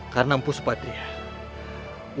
karena empu sukiah